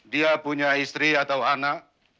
dia punya istri atau anak